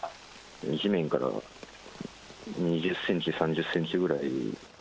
地面から２０センチ、３０センチぐらい。